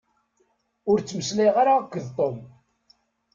Ur ttmeslay ara akked Tom.